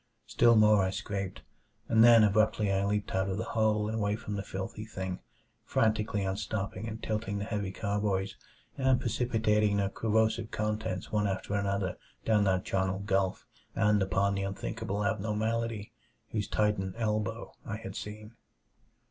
Still more I scraped, and then abruptly I leaped out of the hole and away from the filthy thing; frantically unstopping and tilting the heavy carboys, and precipitating their corrosive contents one after another down that charnel gulf and upon the unthinkable abnormality whose titan elbow I had seen.